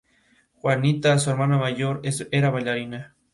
Güímar," cosechando tan solo cuatro derrotas todas ellas a domicilio.